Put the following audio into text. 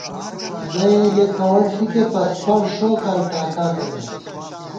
یَہ یېلے کوَڑ ݪِکے پت پنڅ ݭو کال ٹاکاتہ مے